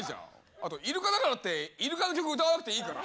あとイルカだからってイルカの曲歌わなくていいから。